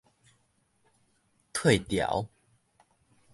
退潮